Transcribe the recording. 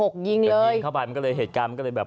เดี๋ยวยิงเข้าไปมันก็เลยเหตุการณ์มันก็เลยแบบ